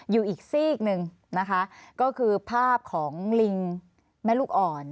อยู่อีกซีกหนึ่งนะคะก็คือภาพของลิงแม่ลูกอ่อน